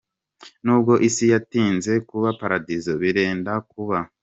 Nubwo isi yatinze kuba paradizo, birenda kuba.